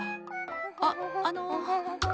あっあの。